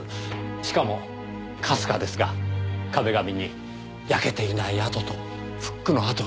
しかもかすかですが壁紙に焼けていない跡とフックの跡が残っています。